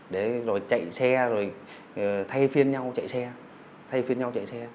để rồi chạy xe rồi thay phiên nhau chạy xe thay phiên nhau chạy xe